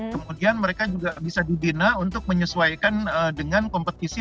kemudian mereka juga bisa dibina untuk menyesuaikan dengan kompetisi